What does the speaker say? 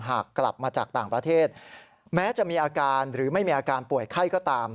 หากกลับมาจากต่างประเทศแม้จะมีอาการหรือไม่มีอาการป่วยไข้ก็ตาม